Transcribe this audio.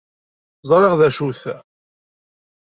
Ẓṛiɣ d acu-t.